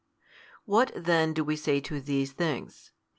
What then do we say to these things?